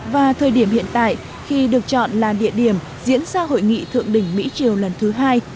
và thời điểm hiện tại khi được chọn là địa điểm diễn ra hội nghị thượng đỉnh mỹ triều lần thứ hai